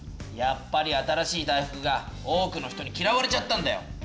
やっぱり新しい大福が多くの人にきらわれちゃったんだよ！